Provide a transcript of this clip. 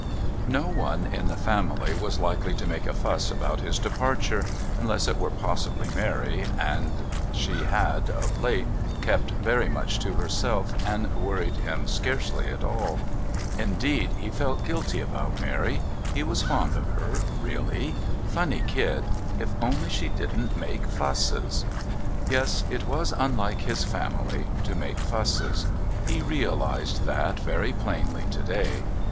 No one in the family was likely to make a fuss about his departure, unless it were possibly Mary, and she had, of late, kept very much to herself and worried him scarcely at all. Indeed, he felt guilty about Mary. He was fond of her, really... Funny kid... If only she didn't make fusses! Yes, it was unlike his family to make fusses. He realised that very plainly to day.